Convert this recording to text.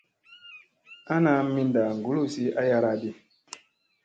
Ana minda kuluzi ayara ɗi.